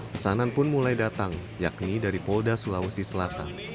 pesanan pun mulai datang yakni dari polda sulawesi selatan